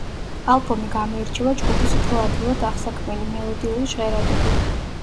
ალბომი გამოირჩევა ჯგუფის უფრო ადვილად აღსაქმელი, მელოდიური ჟღერადობით.